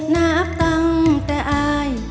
นับตั้งแต่อาย